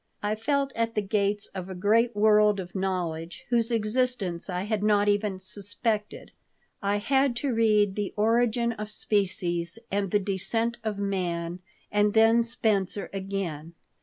I felt at the gates of a great world of knowledge whose existence I had not even suspected. I had to read the Origin of Species and the Descent of Man, and then Spencer again.